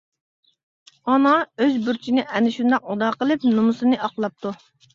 ئانا ئۆز بۇرچىنى ئەنە شۇنداق ئادا قىلىپ، نومۇسىنى ئاقلاپتۇ.